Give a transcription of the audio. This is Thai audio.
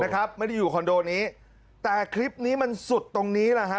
ไม่ได้อยู่คอนโดนี้แต่คลิปนี้มันสุดตรงนี้แหละฮะ